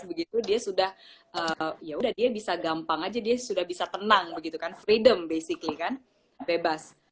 begitu dia sudah yaudah dia bisa gampang aja dia sudah bisa tenang freedom basically kan bebas